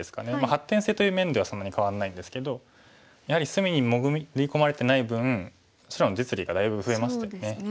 発展性という面ではそんなに変わらないんですけどやはり隅に潜り込まれてない分白の実利がだいぶ増えましたよね。